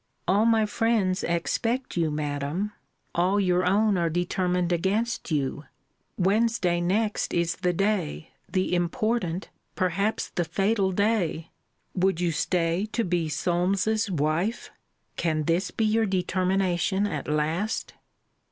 All my friends expect you, Madam all your own are determined against you Wednesday next is the day, the important, perhaps the fatal day! Would you stay to be Solmes's wife? Can this be your determination at last?